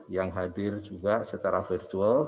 yang hadir juga secara virtual